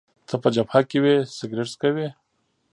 ته په جبهه کي وې، سګرېټ څکوې؟